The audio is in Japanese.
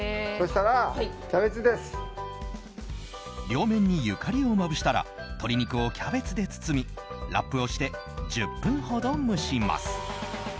両面にゆかりをまぶしたら鶏肉をキャベツで包みラップをして１０分ほど蒸します。